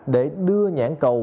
để đưa nhãn cầu